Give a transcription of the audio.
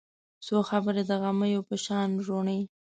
څو خبرې د غمیو په شان روڼې